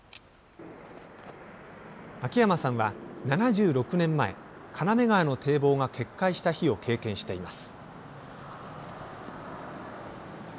秋山さんは７６年前金目川の堤防が決壊した日を経験しています。